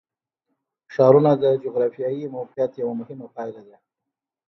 ښارونه د جغرافیایي موقیعت یوه مهمه پایله ده.